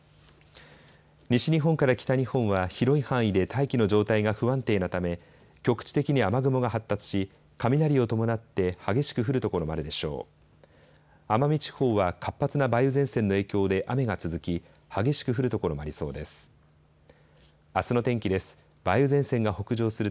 西日本から北日本は広い範囲で大気の状態が不安定なため局地的に雨雲が発達し、雷を伴って激しく降る所もあるでしょう。